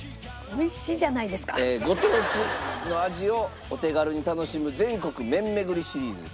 ご当地の味をお手軽に楽しむ全国麺めぐりシリーズです。